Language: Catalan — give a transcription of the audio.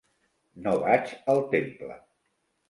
No vaig al temple.